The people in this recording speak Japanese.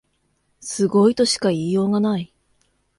すごいとしか言いようがない